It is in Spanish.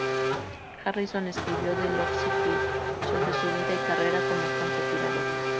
Harrison escribió "The Longest Kill", sobre su vida y carrera como francotirador.